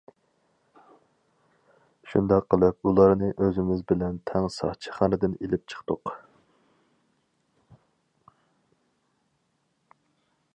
شۇنداق قىلىپ ئۇلارنى ئۆزىمىز بىلەن تەڭ ساقچىخانىدىن ئېلىپ چىقتۇق.